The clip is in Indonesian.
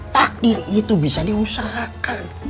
takdir itu bisa diusahakan